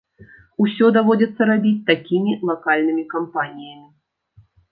Усё даводзіцца рабіць такімі лакальнымі кампаніямі.